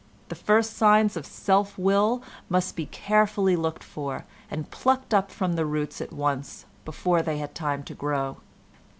The first signs of self will must be carefully looked for, and plucked up by the roots at once before they had time to grow.